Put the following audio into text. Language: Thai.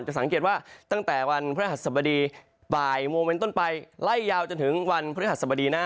สังเกตว่าตั้งแต่วันพระหัสสบดีบ่ายโมงเป็นต้นไปไล่ยาวจนถึงวันพฤหัสบดีหน้า